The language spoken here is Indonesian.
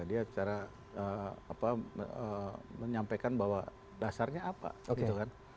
dia secara apa menyampaikan bahwa dasarnya apa gitu kan